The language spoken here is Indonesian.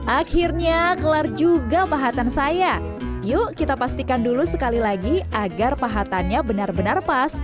akhirnya kelar juga pahatan saya yuk kita pastikan dulu sekali lagi agar pahatannya benar benar pas